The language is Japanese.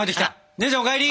姉ちゃんお帰り！